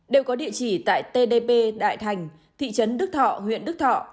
đều có địa chỉ tại t d p đại thành thị trấn đức thọ huyện đức thọ